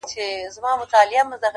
• زه ؛ ته او سپوږمۍ؛